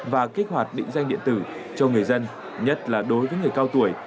và kích hoạt định danh điện tử cho người dân nhất là đối với người cao tuổi